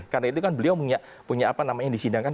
karena itu kan beliau punya apa namanya yang disindangkan